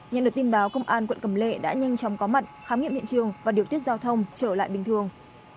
nhận được tin báo công an quận cầm lệ đã nhanh chóng có mặt khám nghiệm hiện trường và điều tiết giao thông trở lại bình thường